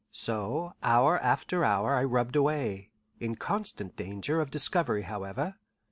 So hour after hour I rubbed away, in constant danger of discovery however.